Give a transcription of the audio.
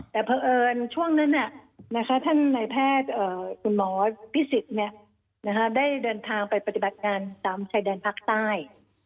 แต่เพราะเอิญช่วงนั้นท่านนายแพทย์คุณหมอพิสิทธิ์ได้เดินทางไปปฏิบัติงานตามชายแดนภาคใต้